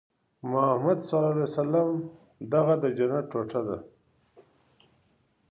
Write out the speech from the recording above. محمد ص ویلي دغه د جنت ټوټه ده.